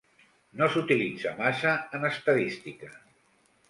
No s'utilitza massa en estadística.